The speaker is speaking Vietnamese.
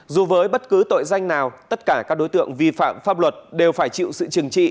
dù với bất cứ tội danh nào tất cả các đối tượng vi phạm pháp luật đều phải chịu sự trừng trị